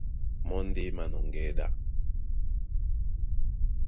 Mɔ́ ndé é mānɔŋgɛɛ́ ɗá.